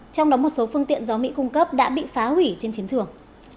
trong đó một số phương tiện do mỹ cung cấp đã bị phá hủy trên chiến trường